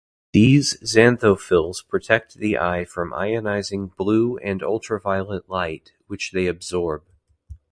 These xanthophylls protect the eye from ionizing blue and ultraviolet light, which they absorb.